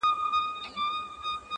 ټوله شپه خوبونه وي_